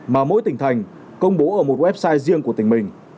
mà mỗi tỉnh thành công bố ở một website riêng của tỉnh mình